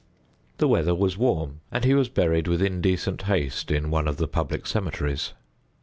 The weather was warm, and he was buried with indecent haste in one of the public cemeteries.